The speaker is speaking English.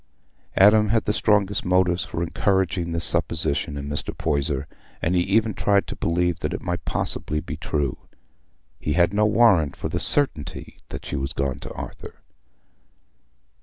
Adam had the strongest motives for encouraging this supposition in Mr. Poyser, and he even tried to believe that it might possibly be true. He had no warrant for the certainty that she was gone to Arthur.